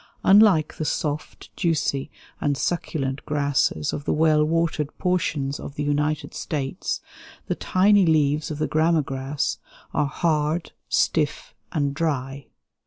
Unlike the soft, juicy, and succulent grasses of the well watered portions of the United States, the tiny leaves of the grama grass are hard, stiff, and dry.